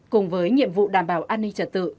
cùng với nhiệm vụ đảm bảo an ninh trật tự